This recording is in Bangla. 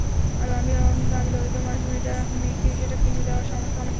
কিন্তু আমি দরিদ্র মানুষ, মেয়েকে সেটা কিনে দেওয়ার সামর্থ্য আমার নেই।